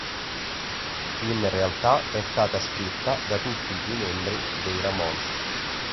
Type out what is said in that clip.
In realtà è stata scritta da tutti i membri dei Ramones.